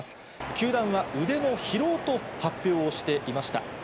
球団は腕の疲労と発表をしていました。